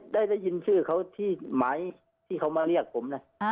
ได้ยินชื่อเขาที่หมายที่เขามาเรียกผมนะ